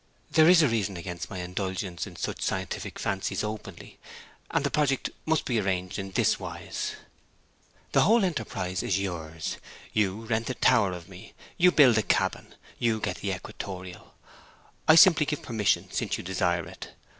There is a reason against my indulgence in such scientific fancies openly; and the project must be arranged in this wise. The whole enterprise is yours: you rent the tower of me: you build the cabin: you get the equatorial. I simply give permission, since you desire it.